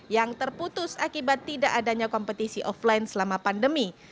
yang terputus akibat tidak adanya kompetisi offline selama pandemi